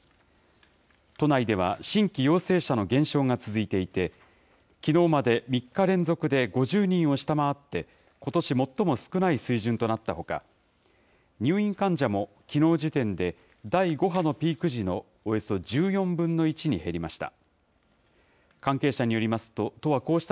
都内では新規陽性者の減少が続いていて、きのうまで３日連続で５０人を下回って、ことし最も少ない水準となったほか、入院患者もきのう時点で第５波のピーク時のおよそ１４分の１に減りました。